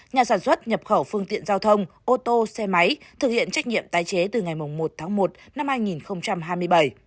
nhà sản xuất nhập khẩu phương tiện giao thông ô tô xe máy thực hiện trách nhiệm tái chế từ ngày một tháng một năm hai nghìn hai mươi bảy